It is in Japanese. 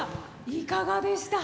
いかがでしたか？